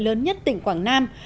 lớn nhất tỉnh quảng nam